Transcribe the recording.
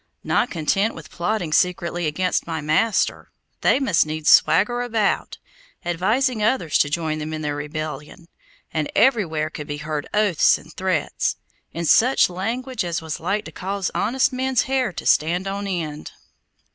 Not content with plotting secretly against my master, they must needs swagger about, advising others to join them in their rebellion, and everywhere could be heard oaths and threats, in such language as was like to cause honest men's hair to stand on end.